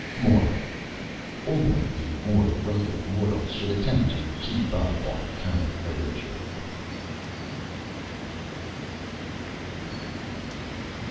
MORAL: _Only the more Rugged Mortals should attempt to Keep Up on Current Literature.